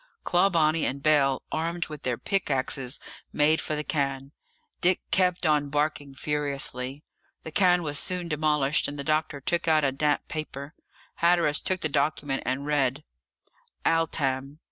Clawbonny and Bell, armed with their pickaxes made for the cairn. Dick kept on barking furiously. The cairn was soon demolished, and the doctor took out a damp paper. Hatteras took the document and read: "Altam...